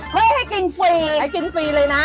ให้กินฟรีให้กินฟรีเลยนะ